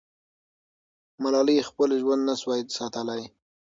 ملالۍ خپل ژوند نه سوای ساتلی.